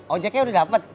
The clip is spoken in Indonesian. ojeknya udah dapet